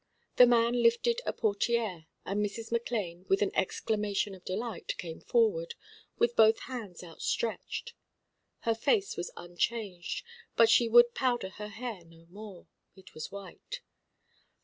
The man lifted a portière, and Mrs. McLane, with an exclamation of delight, came forward, with both hands outstretched. Her face was unchanged, but she would powder her hair no more. It was white.